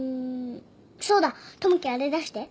そうだ友樹あれ出して。